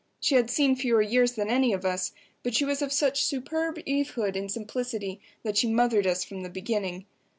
She had seen fewer years than any of us, but she was of such superb Evehood and simplicity that she mothered us from the beginning.